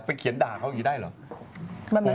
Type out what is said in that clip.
เขียนด่าเขาอย่างนี้ได้เหรอ